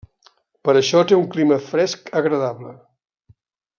Per això, té un clima fresc agradable.